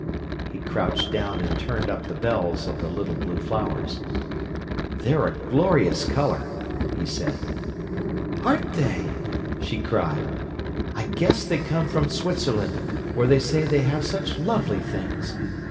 He crouched down and turned up the bells of the little blue flowers. "They're a glorious colour!" he said. "Aren't they!" she cried. "I guess they come from Switzerland, where they say they have such lovely things.